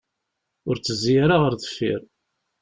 Ur ttezzi ara ar deffir.